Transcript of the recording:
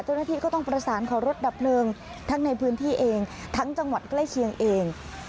เจ้าหน้าที่ก็ต้องประสานขอรถดับเพลิงทั้งในพื้นที่เองทั้งจังหวัดใกล้เคียงเอง